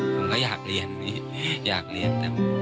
ผมก็อยากเรียนพี่อยากเรียน